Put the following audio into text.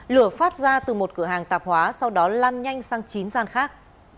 lửa phát ra từ một cửa hàng tạp hóa sau đó lan nhanh sang chín gian khác